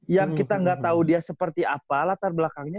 yang kita gak tau dia seperti apa latar belakangnya